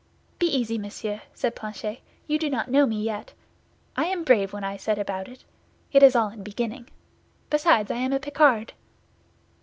"Be easy, monsieur," said Planchet; "you do not know me yet. I am brave when I set about it. It is all in beginning. Besides, I am a Picard."